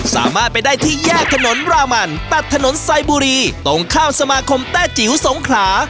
สามารถไปได้ที่แยกถนนรามันตัดถนนไซบุรีตรงข้ามสมาคมแต้จิ๋วสงขรา